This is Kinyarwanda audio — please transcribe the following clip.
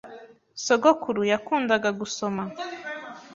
Sogokuru yakundaga gusoma.